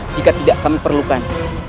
jika tidak kami perlukan